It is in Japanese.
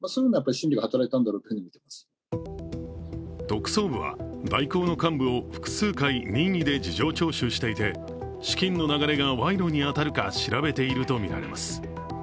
特捜部は大広の幹部を複数回、任意で事情聴取していて資金の流れが賄賂に当たるか調べているとみられます。